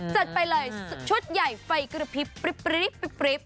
จัดไปเลยชุดใหญ่ไฟกระพริบ